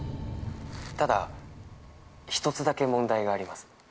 ただ一つだけ問題があります。